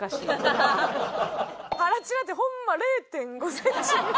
腹チラってホンマ０．５センチ。